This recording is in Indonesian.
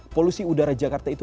polusi udara jakarta itu